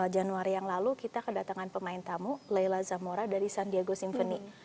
januari yang lalu kita kedatangan pemain tamu leila zamora dari san diego symphony